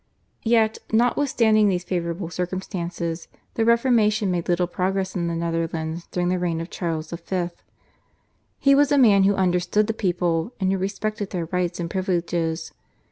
Yet, notwithstanding these favourable circumstances, the Reformation made little progress in the Netherlands during the reign of Charles V. He was a man who understood the people and who respected their rights and privileges.